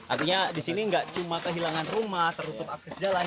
artinya di sini nggak cuma kehilangan rumah tertutup akses jalan